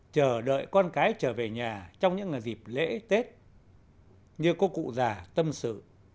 chờ đợi con cái trở về nhà trong những dịp lễ tết như cô cụ già tâm sự